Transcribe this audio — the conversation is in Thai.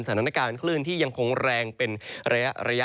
สถานการณ์คลื่นที่ยังคงแรงเป็นระยะ